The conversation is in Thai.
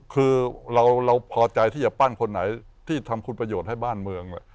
คือเราพอใจที่จะปั้นคนไหนที่ทำคุณประโยชน์ให้บ้านเมือง